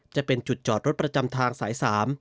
จะเป็นจุดจอดรถประจำทางสาย๓